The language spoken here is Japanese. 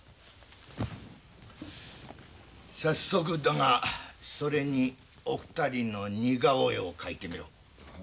早速だがそれにお二人の似顔絵を描いてみろ。